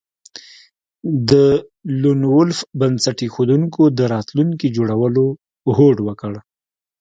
د لون وولف بنسټ ایښودونکو د راتلونکي جوړولو هوډ وکړ